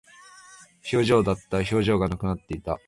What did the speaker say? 表情だった。表情がなくなっていた。